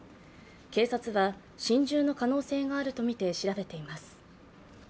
警察は心中の可能性があるとみて調べています。